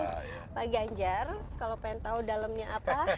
pak ganjar kalau mau tahu dalamnya apa